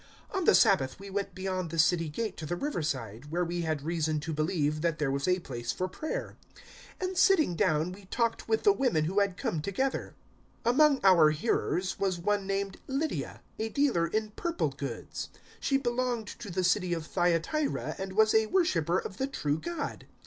016:013 On the Sabbath we went beyond the city gate to the riverside, where we had reason to believe that there was a place for prayer; and sitting down we talked with the women who had come together. 016:014 Among our hearers was one named Lydia, a dealer in purple goods. She belonged to the city of Thyateira, and was a worshipper of the true God.